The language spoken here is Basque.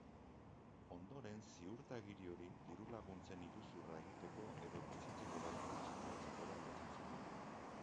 Ondoren ziurtagiri hori diru-laguntzen iruzurra egiteko edo bizitzeko baimena eskuratzeko erabiltzen zuten.